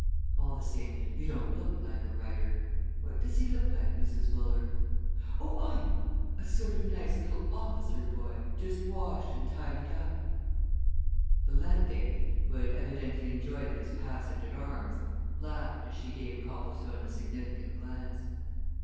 All the same, you don't look like a writer what does he look like, Mrs. Wooler? Oh, I know a sort of nice little officer boy, just washed and tidied up!" The landlady, who had evidently enjoyed this passage at arms, laughed as she gave Copplestone a significant glance.